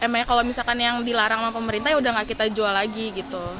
emangnya kalau misalkan yang dilarang sama pemerintah ya udah gak kita jual lagi gitu